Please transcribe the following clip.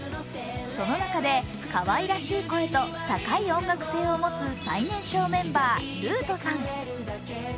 その中で、かわいらしい声と高い音楽性を持つ最年少メンバー、るぅとさん。